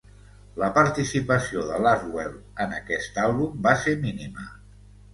La participació de Laswell en aquest àlbum va ser mínima.